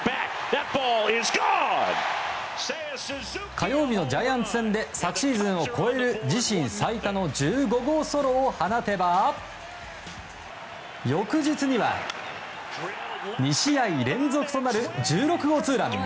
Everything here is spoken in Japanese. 火曜日のジャイアンツ戦で昨シーズンを超える自身最多の１５号ソロを放てば翌日には２試合連続となる１６号ツーラン。